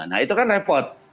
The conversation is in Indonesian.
nah itu kan repot